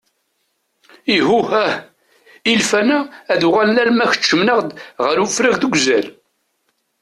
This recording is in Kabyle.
Ihuh ah! ilfan-a ad uɣalen alma keččmen-aɣ-d ɣer ufrag deg uzal.